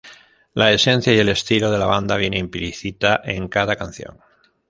La esencia y el estilo de la banda viene implícita en cada canción.